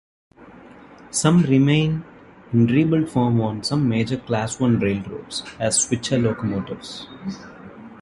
Some remain in rebuilt form on some major Class One railroads, as switcher locomotives.